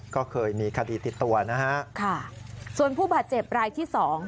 ก็เคยมีคดีติดตัวนะฮะค่ะส่วนผู้บาดเจ็บรายที่สอง